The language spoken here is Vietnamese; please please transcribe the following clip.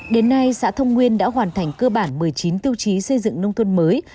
đến nay xã thông nguyên đã hoàn thành cơ bản một mươi chín tiêu chí xây dựng nông thôn mới